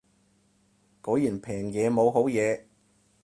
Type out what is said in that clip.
果然平嘢冇好嘢